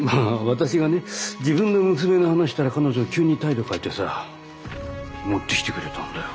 私がね自分の娘の話したら彼女急に態度変えてさ持ってきてくれたんだよ。